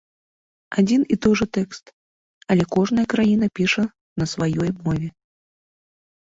Адзін і той жа тэкст, але кожная краіна піша на сваёй мове.